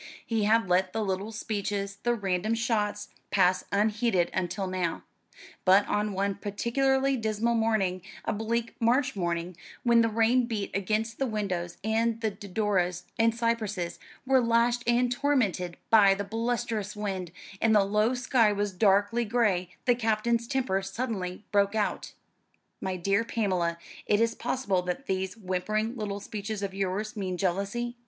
He had let the little speeches, the random shots, pass unheeded until now; but on one particularly dismal morning, a bleak March morning, when the rain beat against the windows, and the deodoras and cypresses were lashed and tormented by the blusterous wind, and the low sky was darkly gray, the captain's temper suddenly broke out. "My dear Pamela, is it possible that these whimpering little speeches of yours mean jealousy?"